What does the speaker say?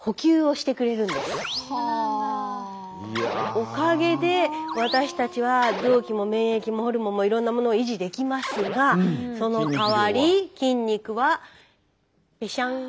おかげで私たちは臓器も免疫もホルモンもいろんなものを維持できますがそのかわり筋肉はぺしゃん。